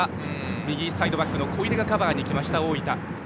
右サイドバックの小出がカバーにいった大分。